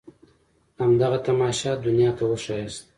همدغه تماشه دنيا ته وښاياست.